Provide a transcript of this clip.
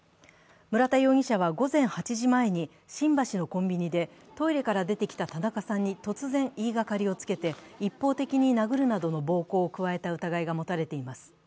村田容疑者は午前８時前に新橋のコンビニでトイレから出てきた田中さんに突然言いがかりをつけて一方的に殴るなどの暴行を加えた疑いが持たれています。